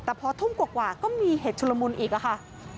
แต่พอทุ่มกว่าก็มีเหตุชุลมุนอีกค่ะ